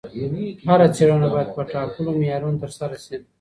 هره څېړنه باید په ټاکلو معیارونو ترسره سي.